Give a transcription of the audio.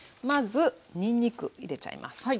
まずにんにく入れちゃいます。